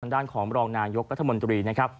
ด้านของรองนายกรัฐมนตรีนะครับ